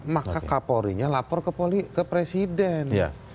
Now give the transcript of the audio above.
maka kapolrinya lapor ke presiden